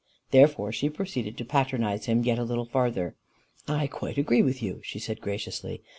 Therefore she proceeded to patronize him yet a little farther. "I quite agree with you," she said graciously.